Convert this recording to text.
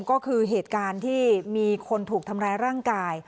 ก็คือเหตุการณ์ที่มีคนถูกทำร้ายร่างกาย